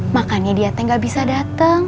makanya dia teh gak bisa dateng